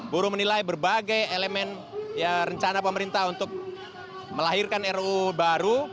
buruh menilai berbagai elemen rencana pemerintah untuk melahirkan ru baru